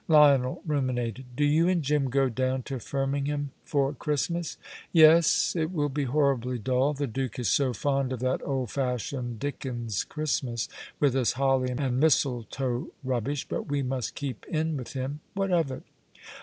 Lionel ruminated. "Do you and Jim go down to Firmingham for Christmas?" "Yes. It will be horribly dull. The Duke is so fond of that old fashioned Dickens Christmas, with its holly and mistletoe rubbish; but we must keep in with him. What of it?"